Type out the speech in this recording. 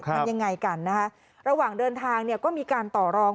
มันยังไงกันระหว่างเดินทางก็มีการต่อรอง